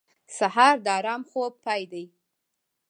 سهار د ارام خوب پای دی.